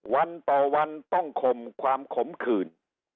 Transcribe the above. วันต่อวันต้องข่มความขมขืน